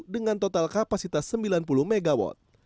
dengan total kapasitas sembilan puluh mw